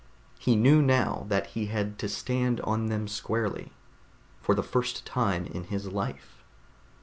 He knew now that he had to stand on them squarely, for the first time in his life.